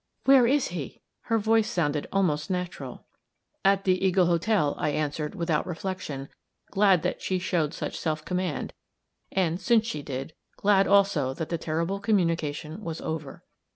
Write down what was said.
"Where is he?" Her voice sounded almost natural. "At the Eagle Hotel," I answered, without reflection, glad that she showed such self command, and, since she did, glad also that the terrible communication was over.